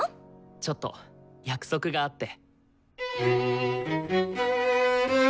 ちょっと約束があって。